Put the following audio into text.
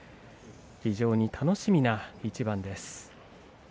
非常に楽しみな一番です。